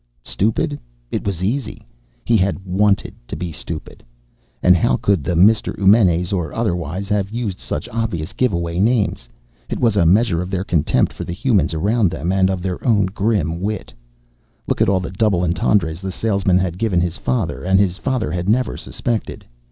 Stupid? It was easy! He had wanted to be stupid! And how could the Mr. Eumenes or otherwise have used such obvious giveaway names? It was a measure of their contempt for the humans around them and of their own grim wit. Look at all the double entendres the salesman had given his father, and his father had never suspected.